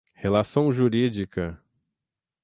relação jurídica;